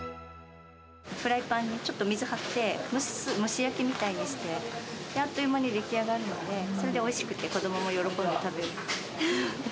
フライパンにちょっと水張って、蒸し焼きみたいにして、あっという間に出来上がるので、それでおいしくて、子どもも喜んで食べる。